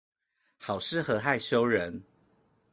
好適合害羞人